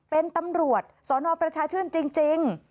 เป็นตำรวจสนประชาชื่นจริง